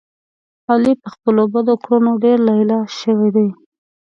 علي په خپلو بدو کړنو ډېر لیله شو دی.